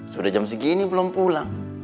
sudah jam segini belum pulang